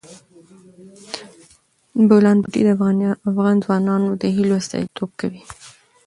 د بولان پټي د افغان ځوانانو د هیلو استازیتوب کوي.